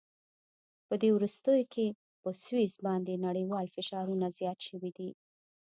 په دې وروستیو کې په سویس باندې نړیوال فشارونه زیات شوي دي.